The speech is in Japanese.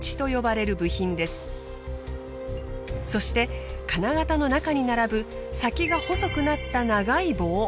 そして金型の中に並ぶ先が細くなった長い棒。